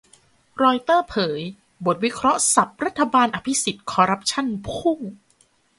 รอยเตอร์เผยบทวิเคราะห์สับรัฐบาลอภิสิทธิ์คอร์รัปชั่นพุ่ง